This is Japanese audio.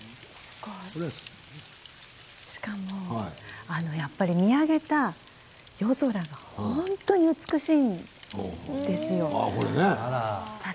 しかも見上げた夜空が本当に美しいんですよ。